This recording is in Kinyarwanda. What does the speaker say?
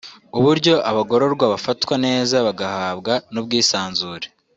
uburyo abagororwa bafatwa neza bagahabwa n’ubwisanzure